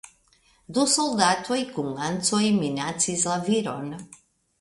Du soldatoj kun lancoj minacis la viron.